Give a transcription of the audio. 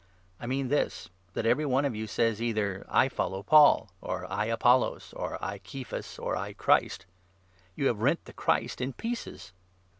I mean this, 12 that every one of you says either ' I follow Paul,' or ' I Apollos,' or ' I Kephas,' or ' I Christ.' You have rent the Christ in 13 pieces